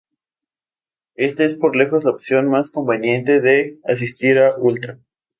Este es por lejos la opción más conveniente para asistir a Ultra.